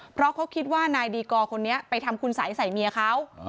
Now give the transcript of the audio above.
เพราะเขาคิดว่านายดีกอร์คนนี้ไปทำคุณสัยใส่เมียเขา